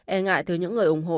e ngại thứ những người ủng hộ